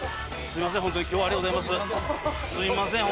すいません。